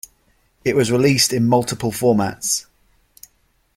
It was released in multiple formats.